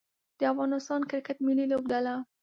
د افغانستان کرکټ ملي لوبډله